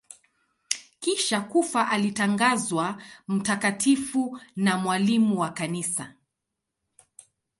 Kisha kufa alitangazwa mtakatifu na mwalimu wa Kanisa.